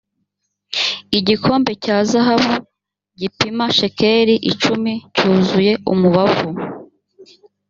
igikombe cya zahabu gipima shekeli icumi cyuzuye umubavu